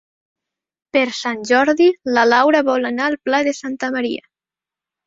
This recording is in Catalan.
Per Sant Jordi na Laura vol anar al Pla de Santa Maria.